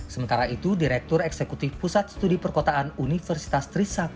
sementara itu direktur eksekutif pusat studi perkotaan universitas trisakti nirwono yoga menilai